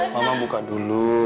mama buka dulu